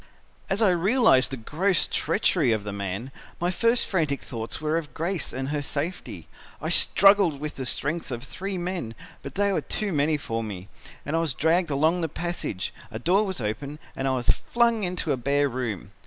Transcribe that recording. "As I realised the gross treachery of the man, my first frantic thoughts were of Grace and her safety. I struggled with the strength of three men, but they were too many for me and I was dragged along the passage, a door was opened and I was flung into a bare room.